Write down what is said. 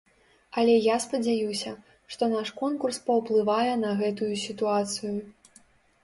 Але я спадзяюся, што наш конкурс паўплывае на гэтую сітуацыю.